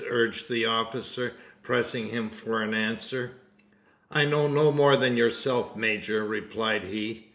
urged the officer, pressing him for an answer. "I know no more than yourself, major," replied he.